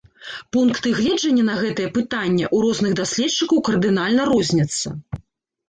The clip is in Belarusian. Пункты гледжання на гэтае пытанне ў розных даследчыкаў кардынальна розняцца.